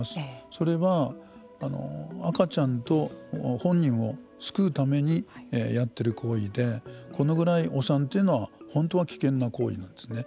それは、赤ちゃんと本人を救うためにやっている行為でこのぐらい、お産というのは本当は危険な行為なんですよね。